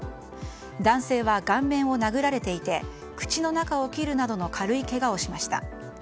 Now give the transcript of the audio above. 男性は顔面を殴られていて口の中を切るなどの軽いけがをしました。